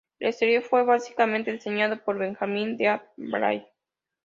El exterior fue básicamente diseñado por Benjamín Dean Wyatt.